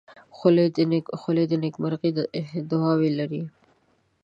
خولۍ د نیکمرغۍ دعاوې لري.